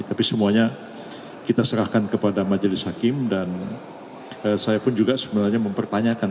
tapi semuanya kita serahkan kepada majelis hakim dan saya pun juga sebenarnya mempertanyakan